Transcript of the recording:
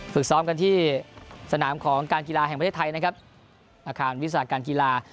ฝึกซ้อมกันที่สนามของการกีฬาแห่งประเทศไทยนะครับอาคารวิชาการกีฬา